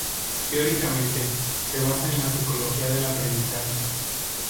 Teóricamente, se basa en la psicología del aprendizaje.